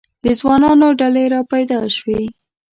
د ځوانانو ډلې را پیدا شوې.